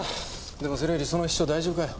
でもそれよりその秘書大丈夫かよ？